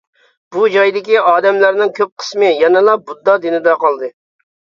بۇ جايدىكى ئادەملەرنىڭ كۆپ قىسمى يەنىلا بۇددا دىنىدا قالدى.